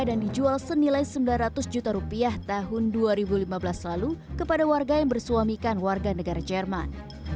dan dijual senilai sembilan ratus juta rupiah tahun dua ribu lima belas lalu kepada warga yang bersuamikan warga negara jerman